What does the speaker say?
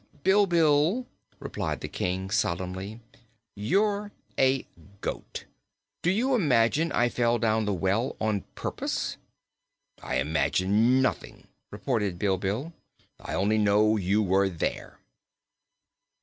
"Bilbil," replied the King solemnly, "you're a goat. Do you imagine I fell down the well on purpose?" "I imagine nothing," retorted Bilbil. "I only know you were there."